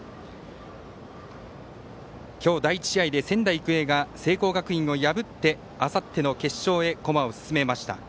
きょう、第１試合で仙台育英が聖光学院を破ってあさっての決勝へ駒を進めました。